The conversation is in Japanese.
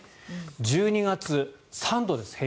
１２月、平均で３度です。